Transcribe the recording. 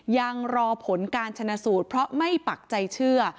ยังรอผลการชนะสูตรเพราะไม่ปักใจเชื่อ